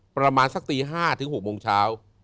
ประมาณสักตี๕ถึง๖โมงเช้า